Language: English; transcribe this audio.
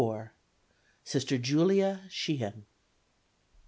Sister Julia Sheehan.